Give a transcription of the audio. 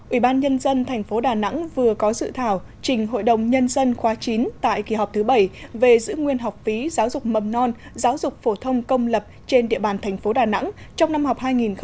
ủy ban nhân dân tp đà nẵng vừa có dự thảo trình hội đồng nhân dân khóa chín tại kỳ họp thứ bảy về giữ nguyên học phí giáo dục mầm non giáo dục phổ thông công lập trên địa bàn tp đà nẵng trong năm học hai nghìn một mươi tám hai nghìn một mươi chín